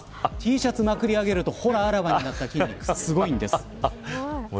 Ｔシャツをまくり上げるとあらわになった筋肉すごいんです。